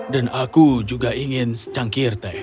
dan aku juga ingin secangkir teh